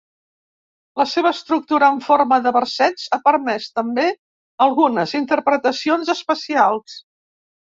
La seva estructura en forma de versets ha permès, també, algunes interpretacions especials.